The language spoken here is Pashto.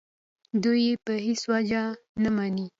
دوی یې په هېڅ وجه نه مني.